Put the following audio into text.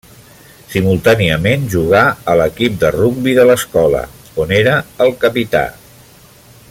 Simultàniament jugà a l’equip de rugbi de l’escola, on era el capità.